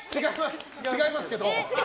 違いますけど。